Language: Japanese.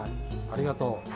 ありがとう。